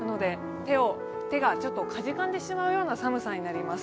手がちょっとかじかんでしまうような寒さになります。